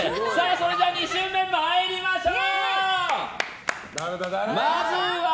それでは２周目、参りましょう。